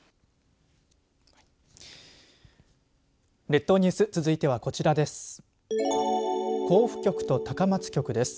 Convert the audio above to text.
列島ニュース続いてはこちらです。